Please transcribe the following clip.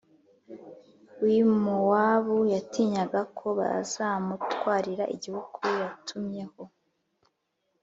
W i mowabu yatinyaga ko bazamutwarira igihugu yatumyeho